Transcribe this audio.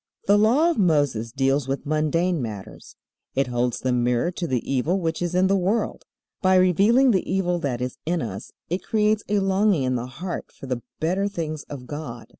The Law of Moses deals with mundane matters. It holds the mirror to the evil which is in the world. By revealing the evil that is in us it creates a longing in the heart for the better things of God.